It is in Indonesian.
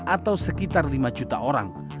atau sekitar lima juta orang